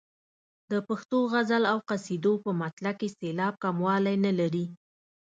د پښتو غزل او قصیدو په مطلع کې سېلاب کموالی نه لري.